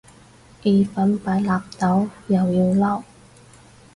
意粉擺納豆又要嬲